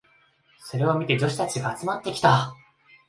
それを見て女子たちが集まってきた。